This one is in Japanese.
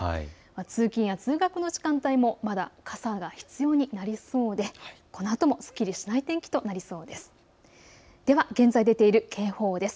通勤や通学の時間帯もまだ傘が必要になりそうでこのあとも、すっきりしない天気となりそうです。